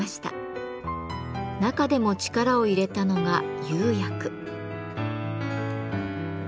中でも力を入れたのが釉薬。